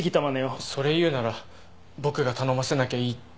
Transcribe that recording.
それ言うなら僕が「頼ませなきゃいい」って。